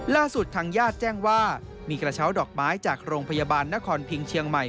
ล่าสุดทางญาติแจ้งว่ามีกระเช้าดอกไม้จากโรงพยาบาลนครพิงเชียงใหม่